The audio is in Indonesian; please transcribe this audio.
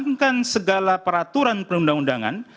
mengumpulkan segala peraturan perundang undangan